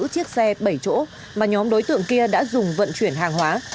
sáu chiếc xe bảy chỗ mà nhóm đối tượng kia đã dùng vận chuyển hàng hóa